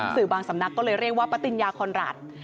สื่อบางสำนักก็เลยเรียกว่าปติญญาคอนรัฐ